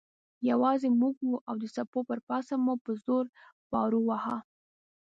یوازې موږ وو او د څپو پر پاسه مو په زور پارو واهه.